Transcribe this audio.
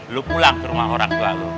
lu pulang ke rumah orang tua lo